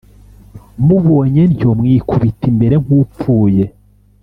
Mubonye ntyo mwikubita imbere nk’upfuye,